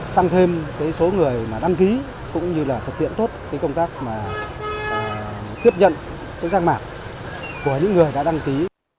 tăng thêm số người đăng ký cũng như là thực hiện tốt công tác tiếp nhận rác mạc của những người đã đăng ký